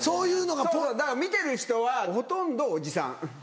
だから見てる人はほとんどおじさん。